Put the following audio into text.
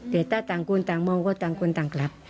แต่ถ้าต่างคนต่างมองก็ต่างคนต่างกลับ